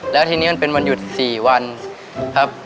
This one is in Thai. แล้วทีนี้มันเป็นวันหยุด๔วันครับ